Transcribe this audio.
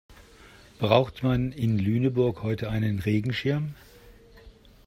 Braucht man in Lüneburg heute einen Regenschirm?